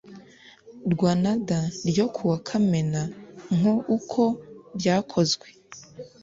rwanada ryo kuwa kamena nk uko byakozwe